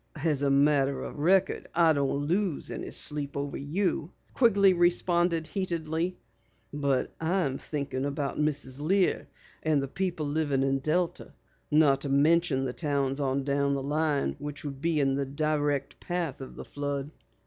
"As a matter of record, I don't lose any sleep over you," Quigley responded heatedly. "But I am thinking about Mrs. Lear and the people living in Delta. Not to mention the towns on down the line which would be in the direct path of the flood."